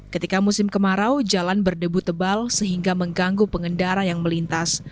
ketika musim kemarau jalan berdebu tebal sehingga mengganggu pengendara yang melintas